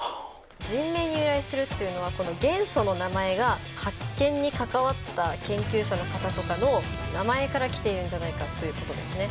「人名に由来する」っていうのはこの元素の名前が発見に関わった研究者の方とかの名前からきているんじゃないかということですね。